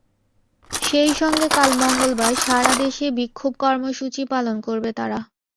সেই সঙ্গে কাল মঙ্গলবার সারা দেশে বিক্ষোভ কর্মসূচি পালন করবে তারা।